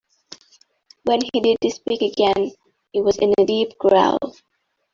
When he did speak again, it was in a deep growl.